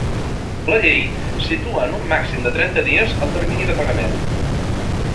La llei situa en un màxim de trenta dies el termini de pagament.